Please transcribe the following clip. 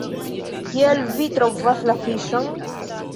Kiel vi trovas la fiŝon?